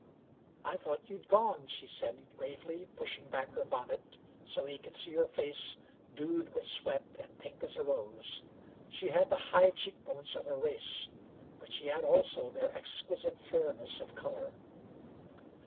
"I thought you'd gone," she said gravely, pushing back her bonnet till he could see her face dewed with sweat, and pink as a rose. She had the high cheek bones of her race, but she had also their exquisite fairess of color.